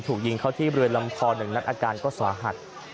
ถูกยิงเข้าที่บริเวณลำคอ๑นัดอาการก็สาหัส